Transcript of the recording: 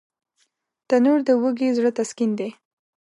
تنور د وږي زړه تسکین دی